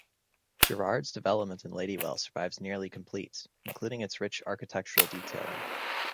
Jerrard's development in Ladywell survives nearly complete, including its rich architectural detailing.